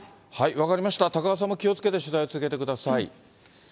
分かりました、高和さんも気をつけて取材を続けてください。